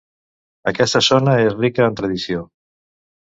Aquesta zona és rica en tradició.